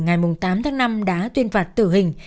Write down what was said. ngày tám tháng năm đã tuyên phạt tử hình